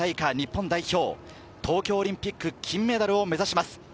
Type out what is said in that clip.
東京オリンピック金メダルを目指します。